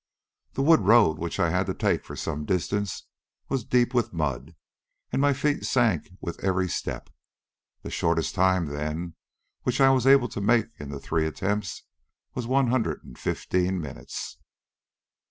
The wood road which I had to take for some distance was deep with mud, and my feet sank with every step. The shortest time, then, which I was able to make in three attempts, was one hundred and fifteen minutes."